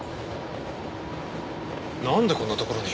なんでこんなところに？